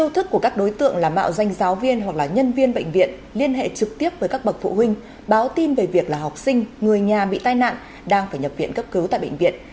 tạo danh giáo viên hoặc là nhân viên bệnh viện liên hệ trực tiếp với các bậc phụ huynh báo tin về việc là học sinh người nhà bị tai nạn đang phải nhập viện cấp cứu tại bệnh viện